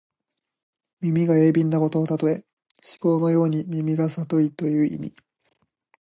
耳が鋭敏なことのたとえ。師曠のように耳がさといという意味。